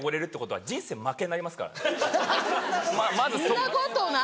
そんなことない。